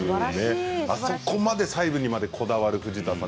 あそこまで細部にまでこだわる藤田さん。